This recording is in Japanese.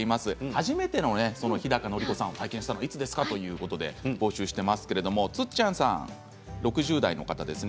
初めての日高のり子さんを体験したのはいつですか？ということで６０代の方です。